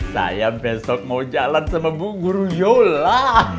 saya besok mau jalan sama bu guru yola